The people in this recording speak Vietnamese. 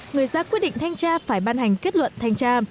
người ra quyết định thanh tra phải ban hành kết luận thanh tra